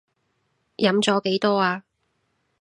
飲咗幾多呀？